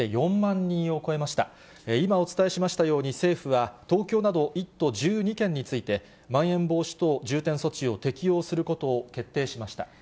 今お伝えしましたように、政府は東京など１都１２県について、まん延防止等重点措置を適用することを決定しました。